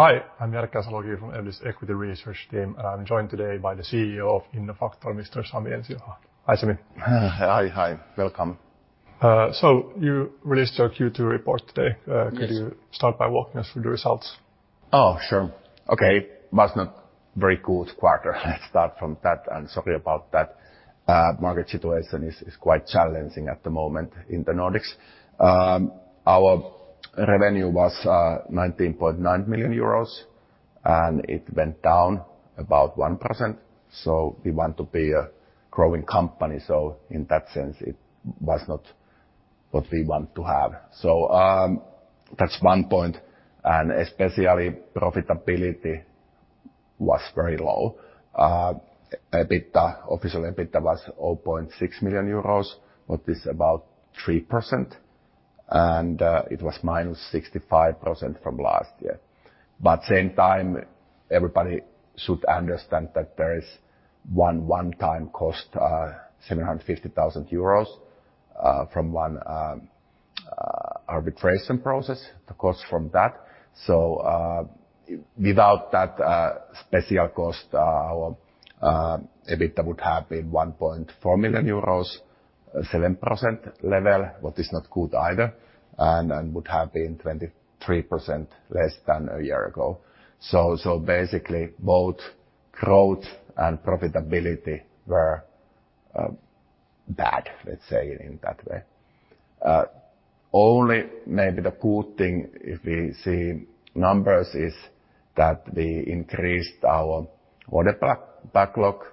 Hi, I'm Jerker Salokivi from Evli's Equity Research Team, and I'm joined today by the CEO of Innofactor, Mr. Sami Ensio. Hi, Sami. Hi, hi. Welcome. You released your Q2 report today. Yes. Could you start by walking us through the results? Oh, sure. Okay, was not very good quarter. Let's start from that, and sorry about that. Market situation is quite challenging at the moment in the Nordics. Our revenue was 19.9 million euros, and it went down about 1%, so we want to be a growing company, so in that sense, it was not what we want to have. So, that's one point, and especially profitability was very low. EBITDA, official EBITDA was 0.6 million euros, what is about 3%, and it was -65% from last year. But same time, everybody should understand that there is one one-time cost, EUR 750 thousand, from one arbitration process, the cost from that. So, without that special cost, our EBITDA would have been 1.4 million euros, 7% level, what is not good either, and would have been 23% less than a year ago. So basically, both growth and profitability were bad, let's say it in that way. Only maybe the good thing, if we see numbers, is that we increased our order backlog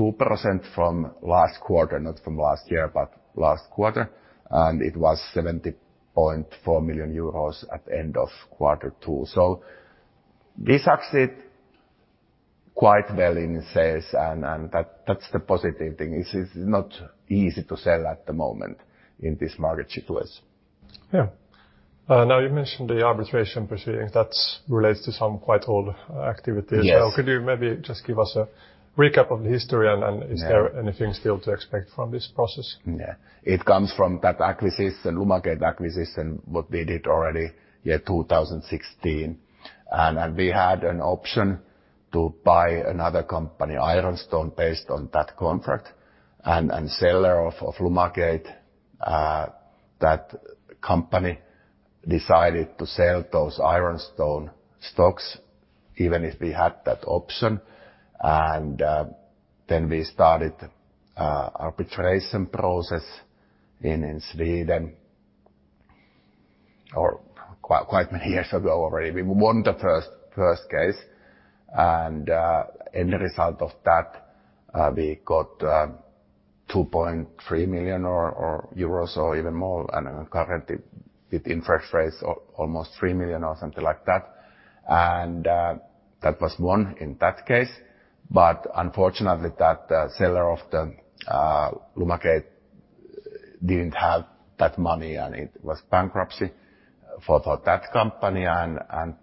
2.2% from last quarter, not from last year, but last quarter, and it was 70.4 million euros at end of quarter two. So we succeed quite well in sales, and that, that's the positive thing. It is not easy to sell at the moment in this market situation. Yeah. Now you mentioned the arbitration proceedings. That relates to some quite old activities. Yes. Could you maybe just give us a recap of the history, and then, is there anything still to expect from this process? Yeah. It comes from that acquisition, Lumagate acquisition, what we did already in 2016, and we had an option to buy another company, Ironstone, based on that contract, and seller of Lumagate, that company decided to sell those Ironstone stocks, even if we had that option. Then we started arbitration process in Sweden quite many years ago already. We won the first case, and in the result of that, we got 2.3 million or euros or even more, and currently with interest rates, almost 3 million or something like that, and that was won in that case. But unfortunately, that seller of the Lumagate didn't have that money, and it was bankruptcy for that company.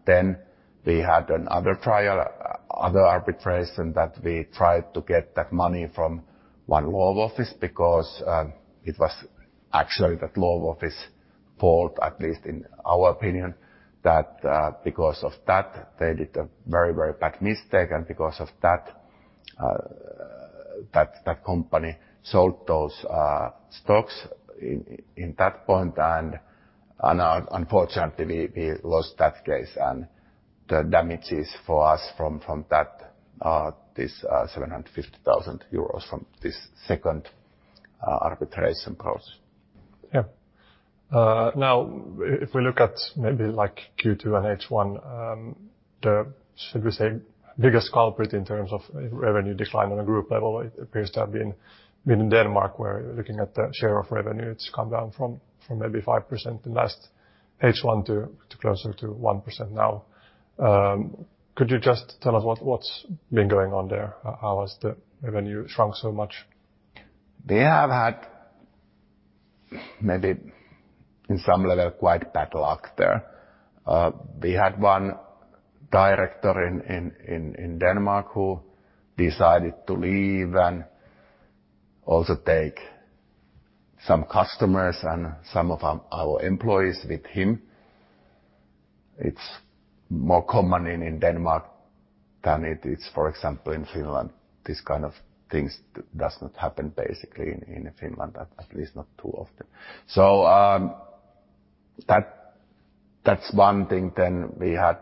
Then we had another trial, other arbitration, that we tried to get that money from one law office because it was actually that law office fault, at least in our opinion, because of that, they did a very, very bad mistake, and because of that, that company sold those stocks in that point, and unfortunately, we lost that case. The damages for us from that are this 750,000 euros from this second arbitration process. Yeah. Now if we look at maybe like Q2 and H1, the, should we say, biggest culprit in terms of revenue decline on a group level, it appears to have been in Denmark, where looking at the share of revenue, it's come down from maybe 5% in last H1 to closer to 1% now. Could you just tell us what's been going on there? How has the revenue shrunk so much? We have had maybe, in some level, quite bad luck there. We had one director in Denmark who decided to leave and also take some customers and some of our employees with him. It's more common in Denmark than it is, for example, in Finland. This kind of things does not happen basically in Finland, at least not too often. So, that, that's one thing. Then we had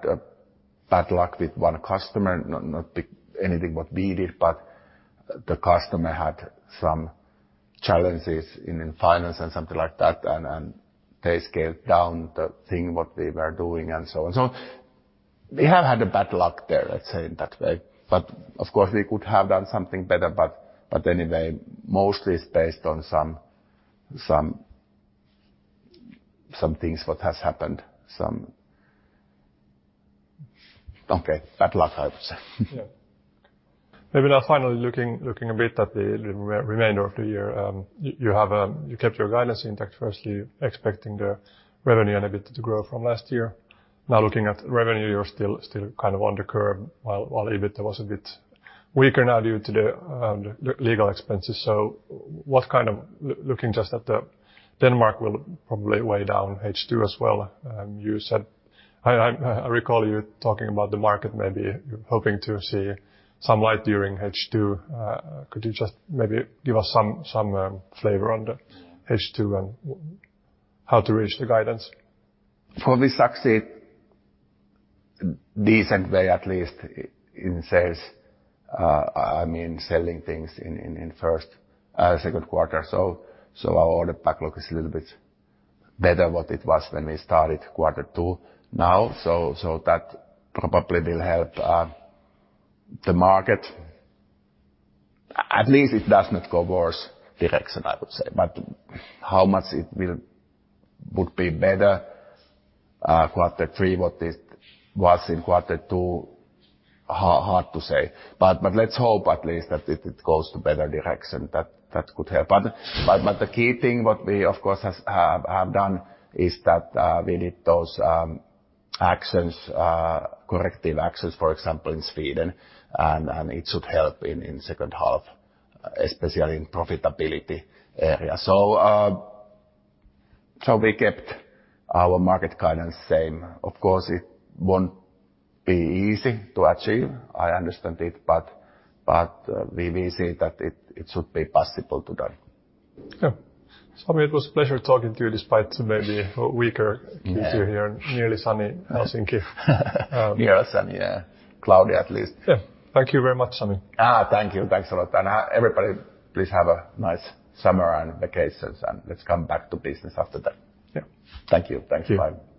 bad luck with one customer, not be anything what we did, but the customer had some challenges in finance and something like that, and they scaled down the thing what we were doing, and so on. So we have had a bad luck there, let's say, in that way. But of course, we could have done something better. But anyway, mostly it's based on some things what has happened, some, okay, bad luck, I would say. Yeah. Maybe now finally, looking a bit at the remainder of the year, you have kept your guidance intact, firstly, expecting the revenue and EBITDA to grow from last year. Now, looking at revenue, you're still kind of on the curve, while EBITDA was a bit weaker now due to the legal expenses. So what kind of looking just at the Denmark will probably weigh down H2 as well. You said I recall you talking about the market, maybe you're hoping to see some light during H2. Could you just maybe give us some flavor on the H2 and how to reach the guidance? Well, we succeed decent way, at least in sales, I mean, selling things in first, second quarter. So our order backlog is a little bit better than what it was when we started quarter two now, so that probably will help the market. At least it does not go worse direction, I would say, but how much it will would be better quarter three, what it was in quarter two, hard to say. But let's hope at least that it goes to better direction. That could help. But the key thing, what we, of course, have done is that we did those actions, corrective actions, for example, in Sweden, and it should help in second half, especially in profitability area. We kept our market guidance same. Of course, it won't be easy to achieve, I understand it, but we see that it should be possible to do. Yeah. Sami, it was a pleasure talking to you, despite maybe a weaker Q2 here in nearly sunny Helsinki. Yes, I mean, cloudy at least. Yeah. Thank you very much, Sami. Ah, thank you. Thanks a lot. And, everybody, please have a nice summer and vacations, and let's come back to business after that. Yeah. Thank you. Thanks, bye.